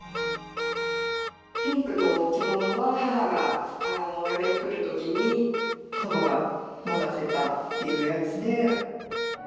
ピンクの着物は母がお嫁にくる時に祖母が持たせたというやつで。